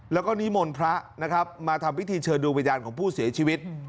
แล้วก็นิมนต์พระนะครับมาทำพิธีเชิญดูวิญญาณของผู้เสียชีวิต